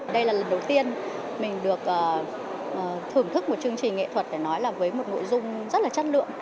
đây là lần đầu tiên mình được thưởng thức một chương trình nghệ thuật để nói là với một nội dung rất là chất lượng